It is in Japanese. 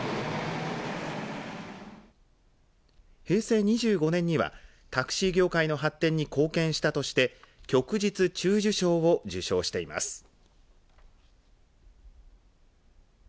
平成２５年にはタクシー業界の発展に貢献したとして旭日中綬章を受章しています。